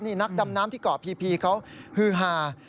น้ากดำน้ำที่เกาะพีเขาหื้อหา